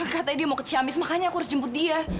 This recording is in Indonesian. katanya dia mau ke ciamis makanya aku harus jemput dia